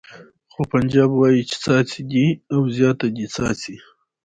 خو پنجاب وایي چې څاڅي دې او زیاته دې څاڅي.